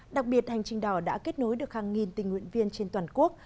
đặc biệt hành trình đỏ đã kết nối được hàng nghìn tình nguyện viên trên toàn quốc